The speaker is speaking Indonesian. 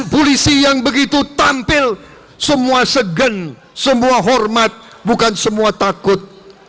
polisi yang begitu tampil semua segen semua hormat bukan semua takut